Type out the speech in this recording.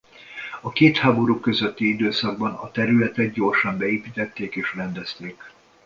A két háború közötti időszakban a területet gyorsan beépítették és rendezték.